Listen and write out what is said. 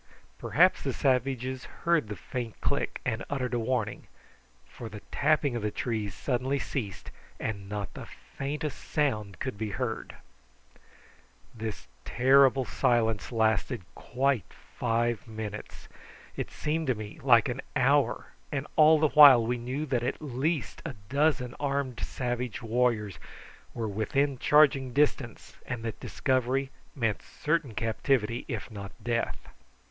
Perhaps the savages heard the faint click, and uttered a warning, for the tapping of the trees suddenly ceased, and not the faintest sound could be heard. This terrible silence lasted quite five minutes. It seemed to me like an hour, and all the while we knew that at least a dozen armed savage warriors were within charging distance, and that discovery meant certain captivity, if not death.